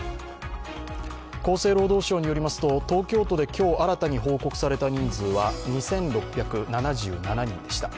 厚生労働省によりますと東京都で今日新たに報告された人数は２６７７人でした。